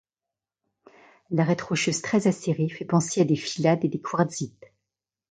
L'arête rocheuse très acérée fait penser à des phyllades et des quartzites.